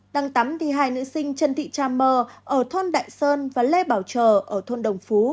đang tắm thì hai nữ sinh trần thị cha mơ ở thôn đại sơn và lê bảo trờ ở thôn đồng phú